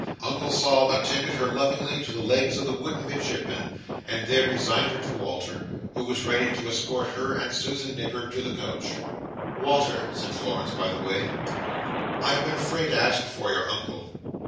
Uncle Sol attended her lovingly to the legs of the wooden Midshipman, and there resigned her to Walter, who was ready to escort her and Susan Nipper to the coach. "Walter," said Florence by the way, "I have been afraid to ask before your Uncle.